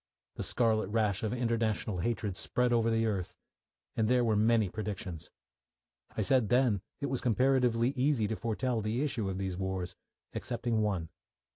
The scarlet rash of international hatred spread over the earth, and there were many predictions. I said then it was comparatively easy to foretell the issue of these wars excepting one.